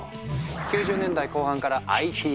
９０年代後半からＩＴブーム。